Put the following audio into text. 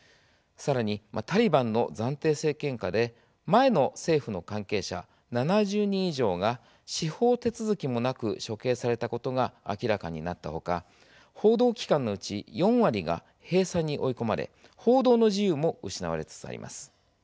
さらに、タリバンの暫定政権下で前の政府の関係者７０人以上が司法手続きもなく処刑されたことが明らかになったほか報道機関のうち４割が閉鎖に追い込まれ報道の自由も失われつつあります。